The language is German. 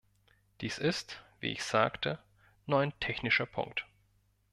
Dies ist, wie ich sagte, nur ein technischer Punkt.